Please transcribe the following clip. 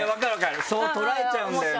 そう捉えちゃうんだよね。